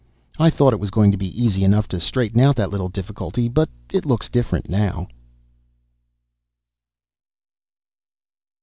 I thought it was going to be easy enough to straighten out that little difficulty, but it looks different now.